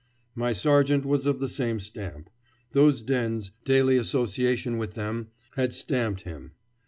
My sergeant was of the same stamp. Those dens, daily association with them, had stamped him.